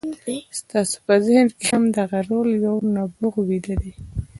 ستاسې په ذهن کې هم دغه ډول يو نبوغ ويده دی.